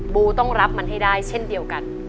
บูต้องรับมันให้ได้เช่นเดียวกัน